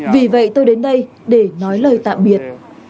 vì vậy tôi đến đây để nói lời tạm biệt